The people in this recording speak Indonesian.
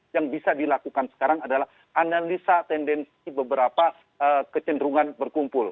yang bisa dilakukan sekarang adalah analisa tendensi beberapa kecenderungan berkumpul